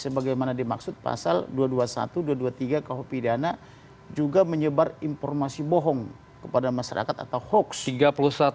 sebagaimana dimaksud pasal dua ratus dua puluh satu dua ratus dua puluh tiga kau pidana juga menyebar informasi bohong kepada masyarakat atau hoax